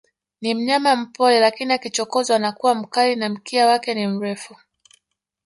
Ni mnyama mpole lakini akichokozwa anakuwa mkali na mkia wake ni mrefu